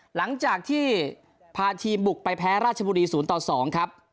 หลังจากที่พาทีมบุกไปแพ้ราชบุรี๐ต่อ๒ครับ